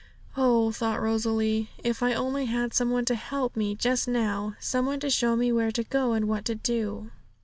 'Oh,' thought Rosalie, 'if I only had some one to help me just now some one to show me where to go, and what to do!'